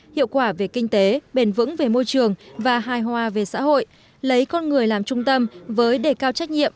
hiệu quả về kinh tế bền vững về môi trường và hài hòa về xã hội lấy con người làm trung tâm với đề cao trách nhiệm